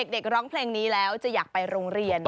ร้องเพลงนี้แล้วจะอยากไปโรงเรียน